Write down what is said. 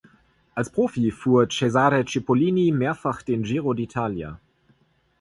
Als Profi fuhr Cesare Cipollini mehrfach den Giro d’Italia.